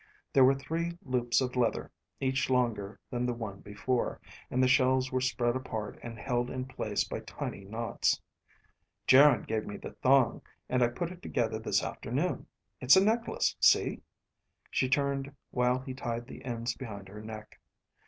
There were three loops of leather, each longer than the one before, and the shells were spread apart and held in place by tiny knots. "Geryn gave me the thong, and I put it together this afternoon. It's a necklace, see?" She turned while he tied the ends behind her neck.